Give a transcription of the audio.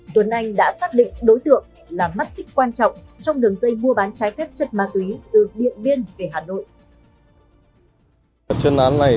tuấn anh đã xác định đối tượng là mắt xích quan trọng trong đường dây mua bán trái phép chất ma túy từ điện biên về hà nội